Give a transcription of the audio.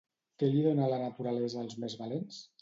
Què li dona la naturalesa als més valents?